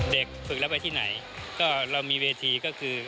ฝึกแล้วไปที่ไหนก็เรามีเวทีก็คือ